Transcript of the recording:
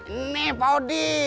ini pak odi